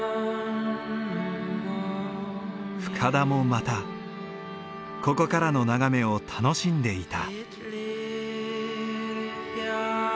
深田もまたここからの眺めを楽しんでいた。